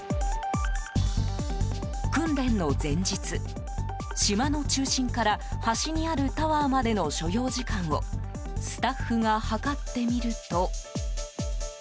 訓練の前日島の中心から端にあるタワーまでの所要時間をスタッフが計ってみると。